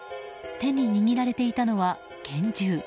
手に握られていたのは、拳銃。